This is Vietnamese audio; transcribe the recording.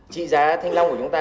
chị giá thanh long của chúng ta